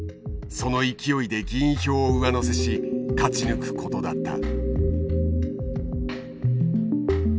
その勢いで議員票を上乗せし勝ち抜くことだった。